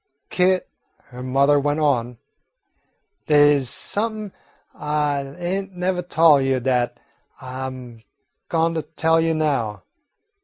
"Kit," her mother went on, "dey 's somep'n I ain't nevah tol' you dat I 'm goin' to tell you now.